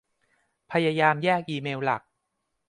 พยายามแยกอีเมลหลัก